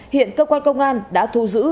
hiện cơ quan công an đã thu giữ